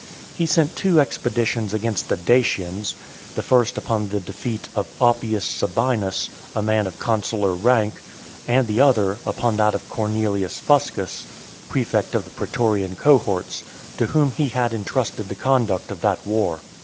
He sent two expeditions against the Dacians; the first upon the defeat of Oppius Sabinus, a man of consular rank; and (484) the other, upon that of Cornelius Fuscus, prefect of the pretorian cohorts, to whom he had entrusted the conduct of that war.